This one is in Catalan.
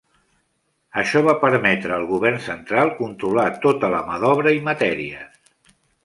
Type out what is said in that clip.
Això va permetre el govern central controlar tota la mà d'obra i matèries.